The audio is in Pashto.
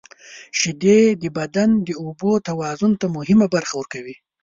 • شیدې د بدن د اوبو توازن ته مهمه برخه ورکوي.